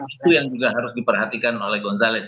itu yang juga harus diperhatikan oleh gonzalez